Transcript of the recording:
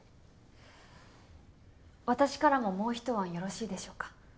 私からももう１案よろしいでしょうか？